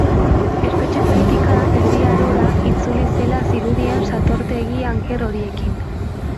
Espetxe politika Erdi Arora itzuli zela zirudien satortegi anker horiekin.